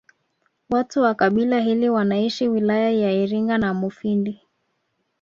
Watu wa kabila hili wanaishi wilaya za Iringa na Mufindi